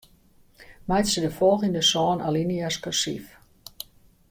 Meitsje de folgjende sân alinea's kursyf.